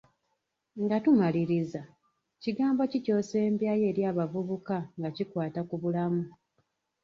Nga tumaliriza, kigambo ki ky'osembyayo eri abavubuka nga kikwata ku bulamu?